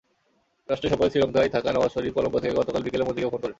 রাষ্ট্রীয় সফরে শ্রীলঙ্কায় থাকা নওয়াজ শরিফ কলম্বো থেকে গতকাল বিকেলে মোদিকে ফোন করেন।